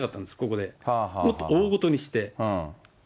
ここで、もっと大ごとにして。